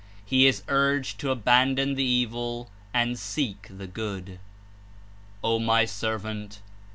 He is urged to abandon the evil and seek the good. ^'O My Servant!